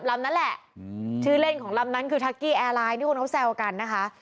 ลำนั้นแหละชื่อเล่นของลำนั้นคือทักกี้แอร์ไลน์ที่คนเขาแซวกันนะคะ